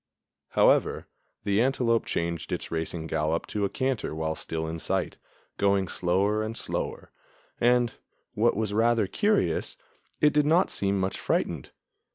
However, the antelope changed its racing gallop to a canter while still in sight, going slower and slower, and, what was rather curious, it did not seem much frightened.